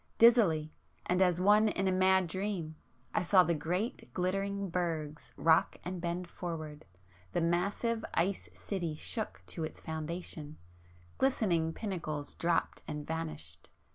Dizzily, and as one in a mad dream I saw the great glittering bergs rock and bend forward,—the massive ice city shook to its foundations, ... glistening pinnacles dropped and vanished